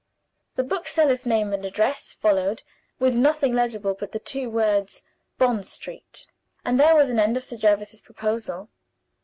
The bookseller's name and address followed (with nothing legible but the two words "Bond Street"), and there was an end of Sir Jervis's proposal.